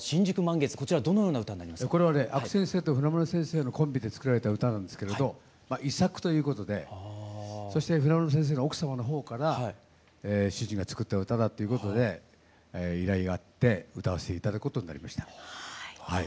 これはね阿久先生と船村先生のコンビで作られた歌なんですけれど遺作ということでそして船村先生の奥様の方から主人が作った歌だっていうことで依頼があって歌わせて頂くことになりましたはい。